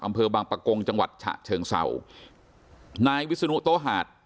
อำเภอบางปะกงจังหวัดฉะเชิงเศร้านายวิศนุโตหาด